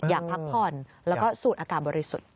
อยากพักผ่อนแล้วก็สูดอาการบริสุทธิ์